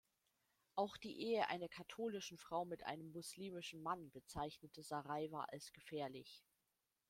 Auch die Ehe einer katholischen Frau mit einem muslimischen Mann bezeichnete Saraiva als „gefährlich“.